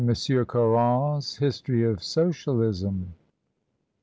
MONSIEUR CARON'S HISTORY OP SOCIALISM.